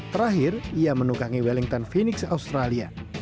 terakhir ia menukangi wellington phoenix australia